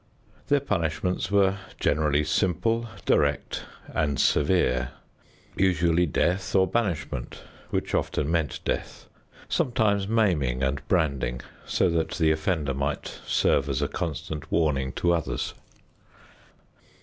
Their punishments were generally simple, direct and severe: usually death or banishment which often meant death, sometimes maiming and branding, so that the offender might serve as a constant warning to others.